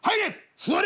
座れ！